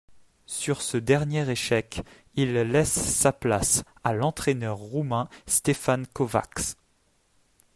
Sur ce dernier échec, il laisse sa place à l'entraîneur roumain Stefan Kovacs.